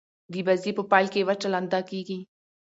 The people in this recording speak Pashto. د بازي په پیل کښي وچه لنده کیږي.